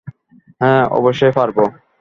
হ্যাঁ, অবশ্যই পারব।